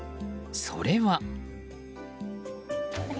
それは。